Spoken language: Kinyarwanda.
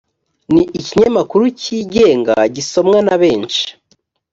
ni ikinyamakuru cyigenga gisomwa na benshi